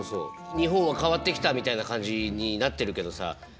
日本は変わってきたみたいな感じになってるけどさ実情はね。